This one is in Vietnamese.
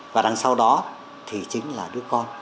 và đằng sau đó thì chính là đứa con